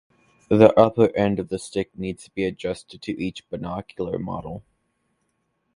The upper end of the stick needs to be adjusted to each binocular model.